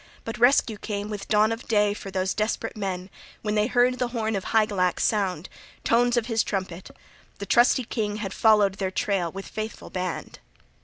But rescue came with dawn of day for those desperate men when they heard the horn of Hygelac sound, tones of his trumpet; the trusty king had followed their trail with faithful band.